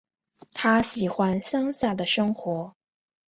她喜欢乡下的生活